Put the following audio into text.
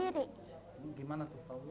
gimana tuh tahu dari mana